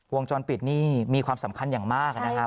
วงจรปิดนี่มีความสำคัญอย่างมากนะครับ